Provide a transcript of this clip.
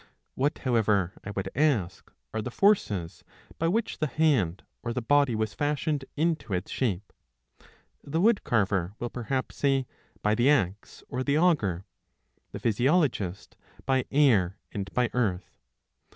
What, however, I would ask, are the forces by which the hand or the body was fashioned into its shape ? The woodcarver will perhaps say, by the axe or the auger ; the physiologist, by air and by earth.